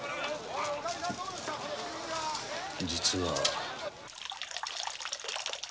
実は。